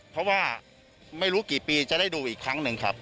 เพราะว่าไม่รู้กี่ปีจะได้ดูอีกครั้งหนึ่งครับ